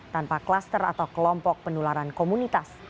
tanpa kluster atau kelompok penularan komunitas